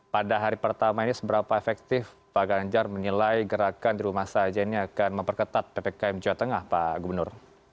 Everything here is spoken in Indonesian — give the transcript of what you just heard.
pada hari pertama ini seberapa efektif pak ganjar menilai gerakan dirumah sajen yang akan memperketat ppkm jatengah pak gubernur